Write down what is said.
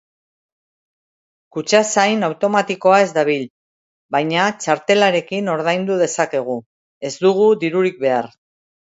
Kutxazain automatikoa ez dabil, baina txartelarekin ordaindu dezakegu, ez dugu dirurik behar